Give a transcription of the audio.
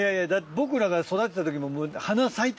僕らが育てた時。